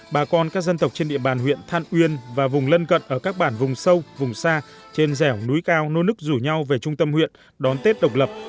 bà con các dân tộc trên địa bàn huyện than uyên và vùng lân cận ở các bản vùng sâu vùng xa trên rẻo núi cao nô nức rủ nhau về trung tâm huyện đón tết độc lập